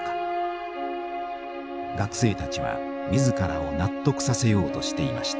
学生たちは自らを納得させようとしていました。